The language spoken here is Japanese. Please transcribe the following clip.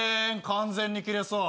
完全にキレそう。